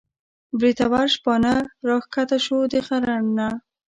بریتور شپانه راکښته شو د غر نه